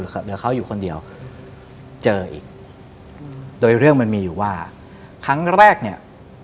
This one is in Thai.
เหลือเขาอยู่คนเดียวเจออีกโดยเรื่องมันมีอยู่ว่าครั้งแรกเนี่ย